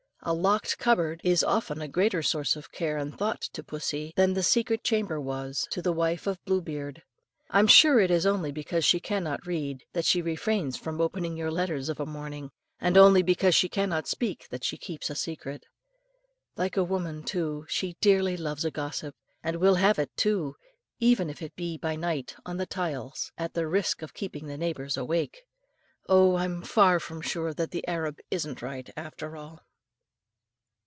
A locked cupboard is often a greater source of care and thought to pussy, than the secret chamber was to the wife of Blue Beard. I'm sure it is only because she cannot read that she refrains from opening your letters of a morning, and only because she cannot speak that she keeps a secret. Like a woman, too, she dearly loves a gossip, and will have it too, even if it be by night on the tiles, at the risk of keeping the neighbours awake. Oh! I'm far from sure that the Arab isn't right, after all.